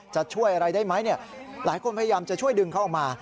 จะช่วยอะไรได้ไหมหลายคนพยายามจะช่วยดึงเขาออกมา